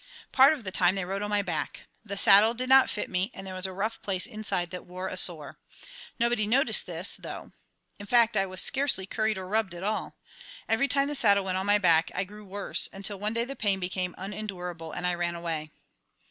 Part of the time they rode on my back. The saddle did not fit me, and there was a rough place inside that wore a sore. Nobody noticed this, though; in fact, I was scarcely curried or rubbed at all. Every time the saddle went on my back I grew worse, until one day the pain became unendurable and I ran away.